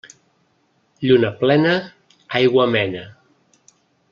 Lluna plena aigua mena.